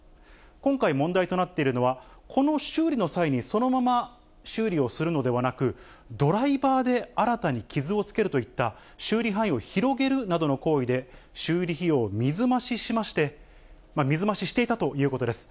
今回問題となっているのは、この修理の際にそのまま修理をするのではなく、ドライバーで新たに傷をつけるといった修理範囲を広げるなどの行為で、修理費用を水増ししまして、水増ししていたということです。